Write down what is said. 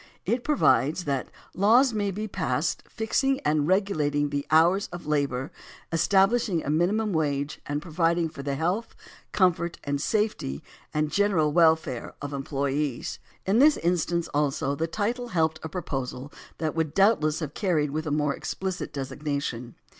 It provides that "laws may be passed fixing and regulating the hours of labor, establishing a minimum wage and providing for the health, comfort, safety and general welfare of employees." In this instance also the title helped a proposal that would doubtless have carried with a more expUcit designation.